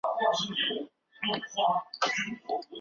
宜嫔死后与儿子同葬孝昌园。